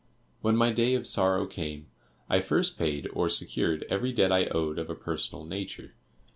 When my day of sorrow came, I first paid or secured every debt I owed of a personal nature.